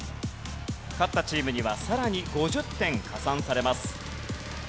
勝ったチームにはさらに５０点加算されます。